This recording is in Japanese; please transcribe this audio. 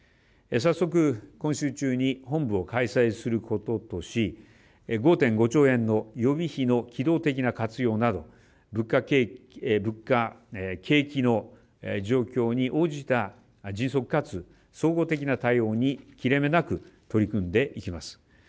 細く、今週中に本部を開催することとし５．５兆円の予備費の機動的な活用など物価、景気の状況に応じた迅速かつ総合的な対応に切れ目なく取り組んでいきます。